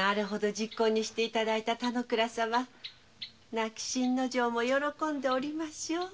あれほど昵懇にしていただいた田之倉様亡き信之丞も喜んでおりましょう。